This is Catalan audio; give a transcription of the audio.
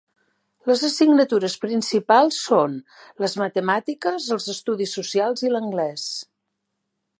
Les assignatures principals són les matemàtiques, els estudis socials i l'anglès.